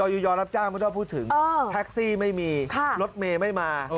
อยู่ยอรับจ้างไม่ต้องพูดถึงแท็กซี่ไม่มีรถเมย์ไม่มา